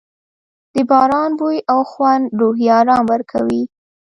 د باران بوی او خوند روحي آرام ورکوي.